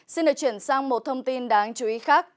xin được chuyển sang một thông tin đáng chú ý khác